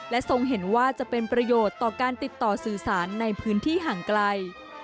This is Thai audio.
ทรงเห็นว่าจะเป็นประโยชน์ต่อการติดต่อสื่อสารในพื้นที่ห่างไกล